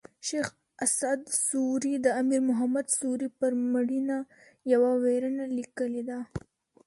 شېخ اسعد سوري د امیر محمد سوري پر مړینه یوه ویرنه لیکلې ده.